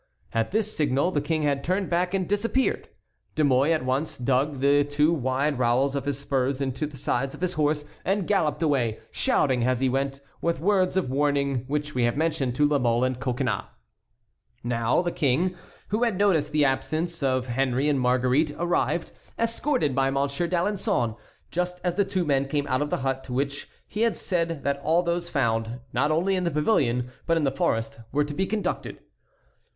At this signal the king had turned back and disappeared. De Mouy at once dug the two wide rowels of his spurs into the sides of his horse and galloped away, shouting as he went the words of warning which we have mentioned, to La Mole and Coconnas. Now the King, who had noticed the absence of Henry and Marguerite, arrived, escorted by Monsieur d'Alençon, just as the two men came out of the hut to which he had said that all those found, not only in the pavilion but in the forest, were to be conducted.